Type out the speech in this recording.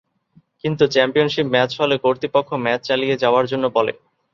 কিন্তু championship match হলে কর্তৃপক্ষ ম্যাচ চালিয়ে যাওয়ার জন্য বলে।